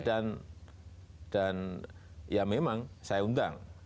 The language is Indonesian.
dan ya memang saya undang